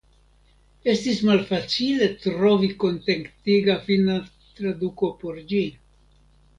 Estis malfacile trovi kontentiga finna traduko por ĝi.